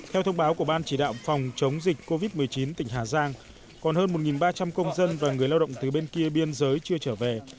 theo thông báo của ban chỉ đạo phòng chống dịch covid một mươi chín tỉnh hà giang còn hơn một ba trăm linh công dân và người lao động từ bên kia biên giới chưa trở về